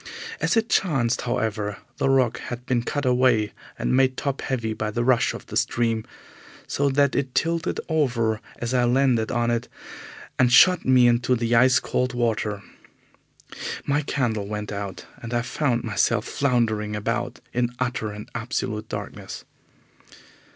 As it chanced, however, the rock had been cut away and made top heavy by the rush of the stream, so that it tilted over as I landed on it and shot me into the ice cold water. My candle went out, and I found myself floundering about in utter and absolute darkness.